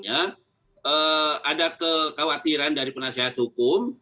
ada kekhawatiran dari penasehat hukum